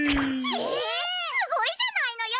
えすごいじゃないのよ！